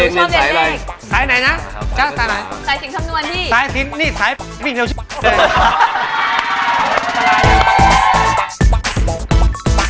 ใช้สิ่งเครื่องน้วนค่ะ